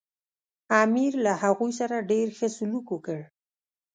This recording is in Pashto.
امیر له هغوی سره ډېر ښه سلوک وکړ.